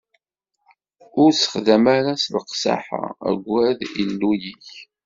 Ur t-ssexdam ara s leqsaḥa, aggad Illu-ik.